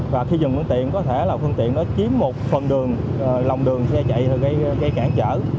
và khi dừng phương tiện có thể là phương tiện đó chiếm một phần đường lòng đường xe chạy gây cản trở